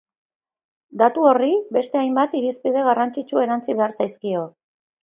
Datu horri, beste hainbat irizpide garrantzitsu erantsi behar zaizkio.